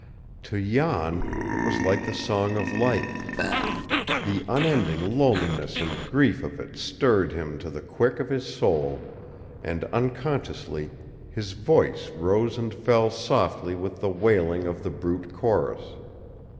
To Jan, it was like the song of life. The unending loneliness and grief of it stirred him to the quick of his soul, and unconsciously his voice rose and fell softly with the wailing of the brute chorus.